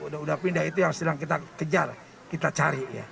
sudah pindah itu yang sedang kita kejar kita cari